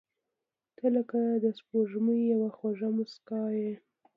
• ته لکه د سپوږمۍ یوه خواږه موسکا یې.